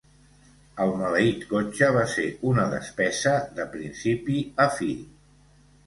El maleït cotxe va ser una despesa de principi a fi.